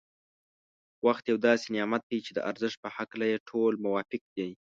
وخت یو داسې نعمت دی چي د ارزښت په هکله يې ټول موافق دی.